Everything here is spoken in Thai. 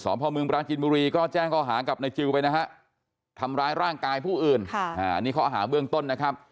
พ่อเมืองปราจินบุรีก็แจ้งข้อหากับนายจิลไปนะฮะทำร้ายร่างกายผู้อื่นอันนี้ข้อหาเบื้องต้นนะครับ